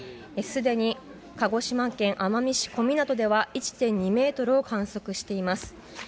すでに鹿児島県奄美市小湊では１．２ｍを観測しています。